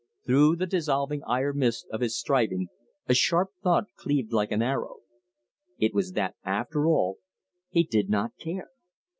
Through the dissolving iron mist of his striving, a sharp thought cleaved like an arrow. It was that after all he did not care.